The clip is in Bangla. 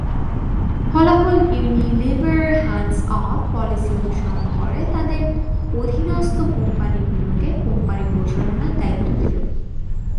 ফলাফল ইউনিলিভার "হ্যান্ডস অফ" পলিসি অনুসরন করে তাদের অধীনস্থ কোম্পানি গুলোকে কোম্পানি পরিচালনার দায়িত্ব দিল।